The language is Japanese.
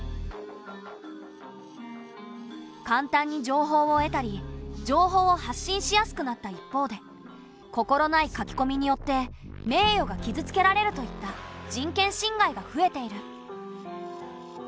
簡単に情報を得たり情報を発信しやすくなった一方で心ない書き込みによって名誉が傷つけられるといった人権侵害が増えている。